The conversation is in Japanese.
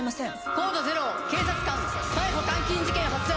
コード０警察官逮捕監禁事件発生。